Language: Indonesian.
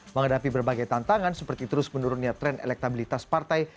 menghadapi berbagai tantangan seperti terus menurunnya tren elektabilitas partai